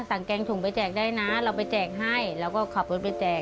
เราไปแจกให้แล้วก็ขับรถไปแจก